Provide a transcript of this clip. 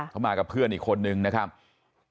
เขามากับเพื่อนอีกคนนึงนะครับ